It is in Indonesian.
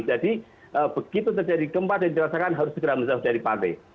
jadi begitu terjadi gempa yang dirasakan harus segera menjauh dari pantai